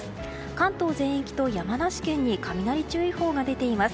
関東全域と山梨県に雷注意報が出ています。